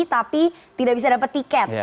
tapi tidak bisa dapat tiket